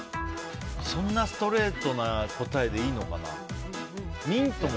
そんなストレートな答えでいいのかな？